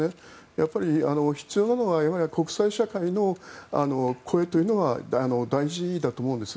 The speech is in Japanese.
やっぱり必要なのは国際社会の声というのは大事だと思うんです。